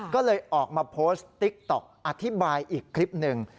ก็เลยออกมาโพสต์ติ๊กต๊อกอธิบายอีกคลิปหนึ่ง